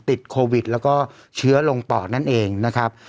ติดโควิดแล้วก็เชื้อลงปอดนั่นเองนะครับ